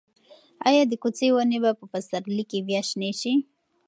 ایا د کوڅې ونې به په پسرلي کې بیا شنې شي؟